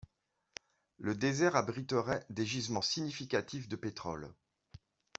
Le désert abriterait des gisements significatifs de pétrole.